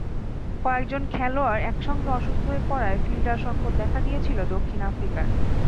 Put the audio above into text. কয়েকজন খেলোয়াড় একসঙ্গে অসুস্থ হয়ে পড়ায় ফিল্ডার সংকট দেখা দিয়েছিল দক্ষিণ আফ্রিকার।